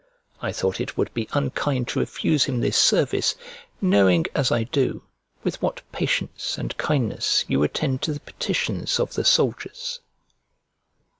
I thought it would be unkind to refuse him this service, knowing, as I do, with what patience and kindness you attend to the petitions of the soldiers.